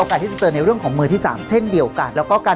การที่จะเตือนในเรื่องของมือที่สามเช่นเดียวกันแล้วก็การ